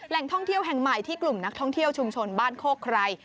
ท่องเที่ยวแห่งใหม่ที่กลุ่มนักท่องเที่ยวชุมชนบ้านโคกไคร